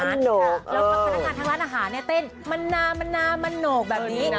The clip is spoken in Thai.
แล้วถ้าพนักงานทั้งร้านอาหารเนี่ยเต้นมันนามันนามันโหนกแบบนี้